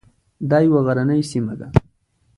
دا یوه غرنۍ سیمه ده.